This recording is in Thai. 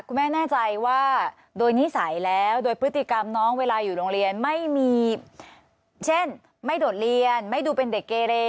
คุณแม่แน่ใจว่าโดยนิสัยแล้วโดยพฤติกรรมน้องเวลาอยู่โรงเรียนไม่มีเช่นไม่โดดเรียนไม่ดูเป็นเด็กเกเร